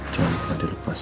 jangan pernah dilepas